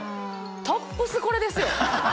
トップスこれですよ。